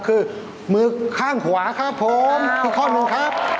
คือมือข้างขวาครับผมอีกข้อหนึ่งครับ